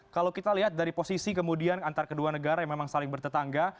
kalau kita lihat dari posisi kemudian antar kedua negara yang memang saling bertetangga